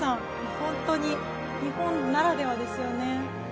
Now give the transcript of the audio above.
本当に日本ならではですよね。